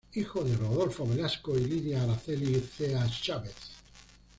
Hijo de Rodolfo Velasco y Lidia Aracely Cea Chávez.